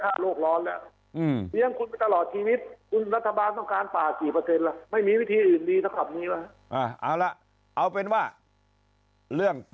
การปลูกรัฐบาทอยู่ประหละและไม่มีวิธีอื่นดีด้วย